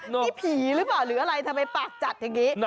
นี่ผีหรือเปล่าหรืออะไรทำไมปากจัดอย่างนี้